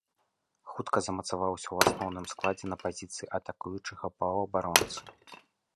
Хутка замацаваўся ў асноўным складзе на пазіцыі атакуючага паўабаронцы.